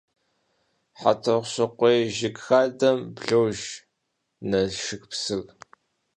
Хьэтӏохъущыкъуей жыг хадэм блож Налшыкыпсыр.